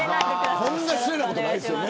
こんな失礼なことはないですよね。